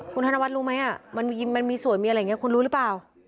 คุณธนวัฒน์รู้ไหมมันมีสวยมีอะไรอย่างนี้คุณรู้หรือเปล่า